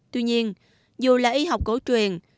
tuy nhiên dù là y học cổ truyền